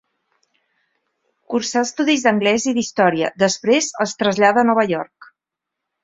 Cursa estudis d'anglès i d'història, després es trasllada a Nova York.